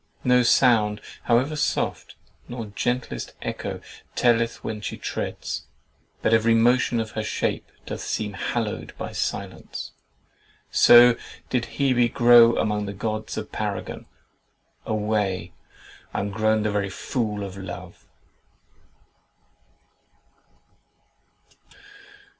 No sound (however soft) Nor gentlest echo telleth when she treads, But every motion of her shape doth seem Hallowed by silence. So did Hebe grow Among the gods a paragon! Away, I'm grown The very fool of Love!"